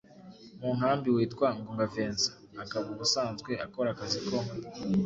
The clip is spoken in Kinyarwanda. mu nkambi witwa Ngoga Vincent akaba ubusanzwe akora akazi ko